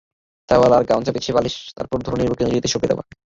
Towel অথবা গামছা পেঁচিয়ে বালিশ, তারপর ধরনীর বুকে নিজেকে সঁপে দেওয়া।